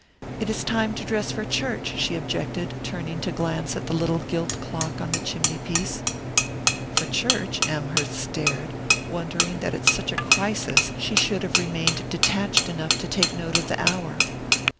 "It is time to dress for church," she objected, turning to glance at the little gilt clock on the chimney piece. "For church?" Amherst stared, wondering that at such a crisis she should have remained detached enough to take note of the hour.